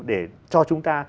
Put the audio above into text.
để cho chúng ta